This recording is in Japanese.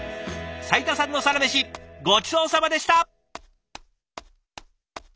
斉田さんのサラメシごちそうさまでした！